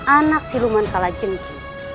anak siluman kala jengkih